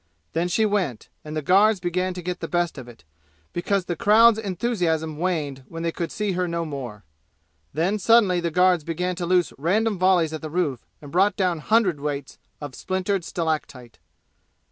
Then she went, and the guards began to get the best of it, because the crowd's enthusiasm waned when they could see her no more. Then suddenly the guards began to loose random volleys at the roof and brought down hundredweights of splintered stalactite.